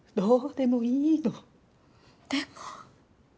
でも。